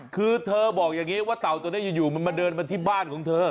คือเธอบอกอย่างนี้ว่าเต่าตัวนี้อยู่มันมาเดินมาที่บ้านของเธอ